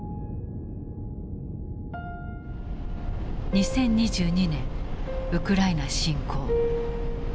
２０２２年ウクライナ侵攻。